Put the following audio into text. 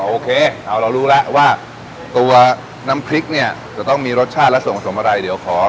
โอเคเอาเรารู้แล้วว่าตัวน้ำพริกเนี่ยจะต้องมีรสชาติและส่วนผสมอะไรเดี๋ยวขอ